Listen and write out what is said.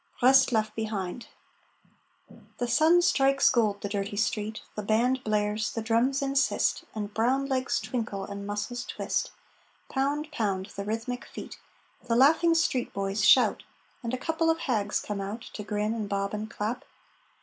BREST LEFT BEHIND The sun strikes gold the dirty street, The band blares, the drums insist, And brown legs twinkle and muscles twist Pound! Pound! the rhythmic feet. The laughing street boys shout, And a couple of hags come out To grin and bob and clap.